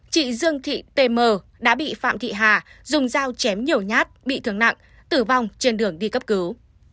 chị dương thị tm đã bị phạm thị hà dùng dao chém nhiều nhát bị thương nặng tử vong trên đường đi cấp cứu